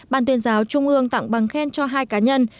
ban tuyên giáo trung ương tặng bằng khen cho hai cá nhân